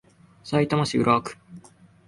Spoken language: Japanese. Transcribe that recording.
さいたま市浦和区